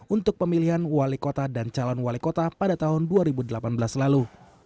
untuk pemilihan wali kota dan calon wali kota pada tahun dua ribu delapan belas lalu